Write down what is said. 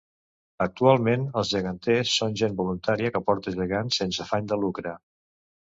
Actualment, els geganters són gent voluntària que porta gegants sense afany de lucre.